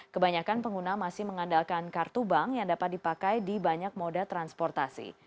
kebanyakan pengguna masih mengandalkan kartu bank yang dapat dipakai di banyak moda transportasi